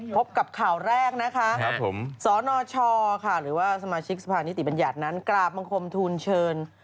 พบกับข่าวแรกนะคะสนชค่ะหรือว่าสมาชิกสภานิติบัญญัตินั้นกราบบังคมทูลเชิญ